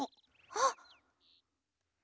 あっ！